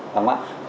đúng không ạ